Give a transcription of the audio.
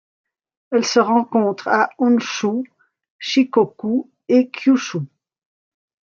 Elle se rencontre à Honshū, Shikoku et Kyūshū.